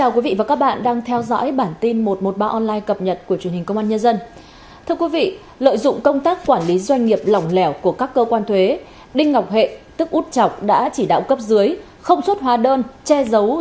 các bạn hãy đăng ký kênh để ủng hộ kênh của chúng mình nhé